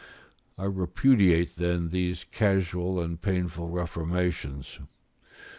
I repudiate, then, these casual and painful reformations.